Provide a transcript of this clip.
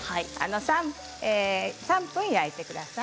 ３分焼いてください。